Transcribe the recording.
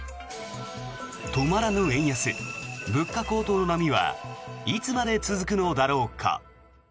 止まらぬ円安物価高騰の波はいつまで続くのだろうか。